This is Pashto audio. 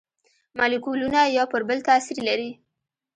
مالیکولونه یو پر بل تاثیر لري.